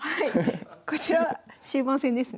こちらは終盤戦ですね。